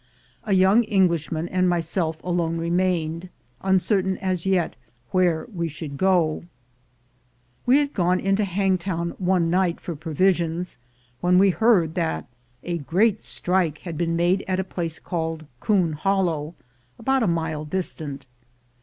A young Englishman and my self alone remained, uncertain as yet where we should go We had gone into Hangtown one night for provi sions, when we heard that a great strike had been made at a place called 'Coon Hollow, about a mile distant.